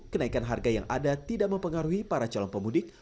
kenaikan harga yang ada tidak mempengaruhi para calon pemudik